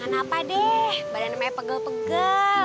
gak apa deh badan emaknya pegel pegel